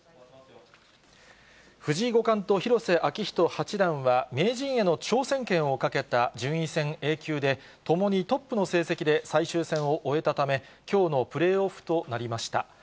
藤井五冠と広瀬章人八段は、名人への挑戦権をかけた順位戦Ａ級で、ともにトップの成績で最終戦を終えたため、きょうのプレーオフとなりました。